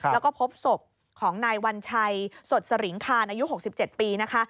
แล้วก็พบศพของนายวัญชัยสดสริงคานอายุ๖๗ปีนะคะ